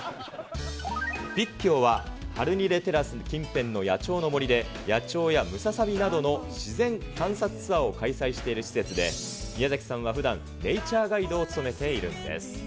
ピッキオはハルニレテラス近辺の野鳥の森で、野鳥やムササビなどの自然観察ツアーを開催している施設で、宮崎さんはふだん、ネイチャーガイドを務めているんです。